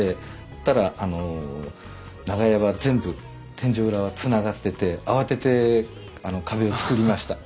したら長屋は全部天井裏はつながってて慌てて壁を造りました。